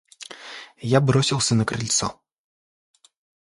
Я бросился на крыльцо.